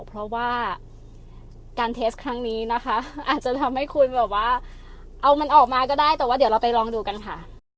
เพราะว่าการเทสครั้งนี้นะคะอาจจะทำให้คุณแบบว่าเอามันออกมาก็ได้แต่ว่าเดี๋ยวเราไปลองดูกันค่ะ